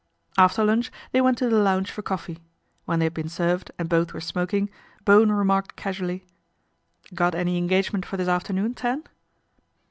After lunch they went to the lounge for coffee. When they had been served and both were smok ing, Bowen remarked casually, " Got any engage ment for this afternoon, Tan